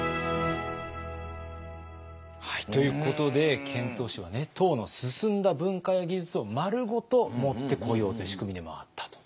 ということで遣唐使は唐の進んだ文化や技術をまるごと持ってこようという仕組みでもあったと。